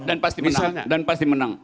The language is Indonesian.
dan pasti menang